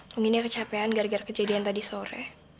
mungkin dia kecapean gara gara kejadian tadi sore